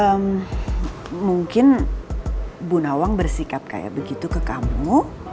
hmm mungkin bu nawang bersikap kayak begitu ke kamu